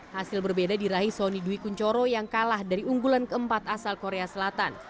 hasil berbeda diraih sonny dwi kunchoro yang kalah dari unggulan keempat asal korea selatan